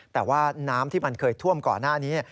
แต่ว่าน้ำที่มันเคยท่วมก่อนหน้านี้